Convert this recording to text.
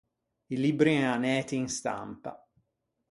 I libbri en anæti in stampa.